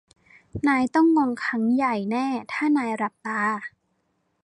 นายต้องงงครั้งใหญ่แน่ถ้านายหลับตา